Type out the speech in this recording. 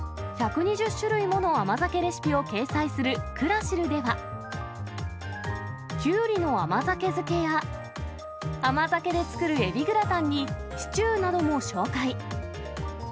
１２０種類もの甘酒レシピを掲載するクラシルでは、きゅうりの甘酒漬けや、甘酒で作るエビグラタンにシチューなども紹介。